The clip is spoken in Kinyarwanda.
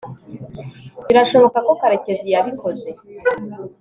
birashoboka ko karekezi yabikoze